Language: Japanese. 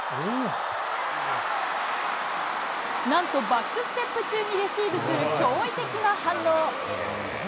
なんと、バックステップ中にレシーブする驚異的な反応。